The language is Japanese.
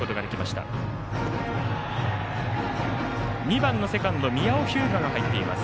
２番のセカンド宮尾日向が入っています。